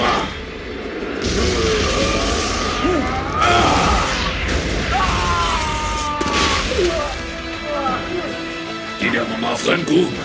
aku tidak akan memaafkanmu